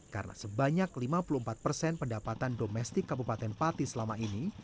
karena sebanyak lima puluh empat persen pendapatan domestik kabupaten pati selama ini